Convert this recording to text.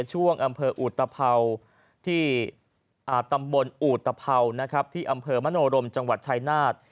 ช่วงอำเภออูตเผาที่ตำบลอูตเผาที่อำเภอมโณรมจังหวัดชัยนาฏ